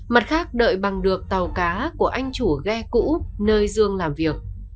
mặt khác đợi bằng được tàu cá của anh chủ ghe cũ nơi dương làm việc